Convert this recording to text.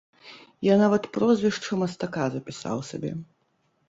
Я нават прозвішча мастака запісаў сабе.